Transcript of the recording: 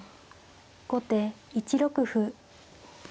後手１六歩。